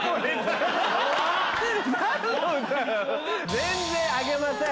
全然あげません。